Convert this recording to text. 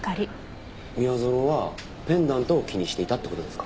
宮園はペンダントを気にしていたって事ですか？